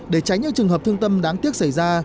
để tránh những trường hợp thương tâm đáng tiếc xảy ra